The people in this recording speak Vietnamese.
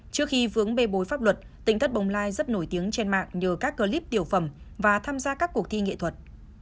trước khi vướng bê bối pháp luật tính thất bồng lai rất nổi tiếng trên mạng nhờ các clip tiểu phẩm và tham gia các cuộc thi nghệ thuật